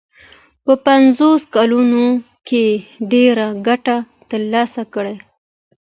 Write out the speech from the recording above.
په پنځو کلونو کې ډېره ګټه ترلاسه کړه.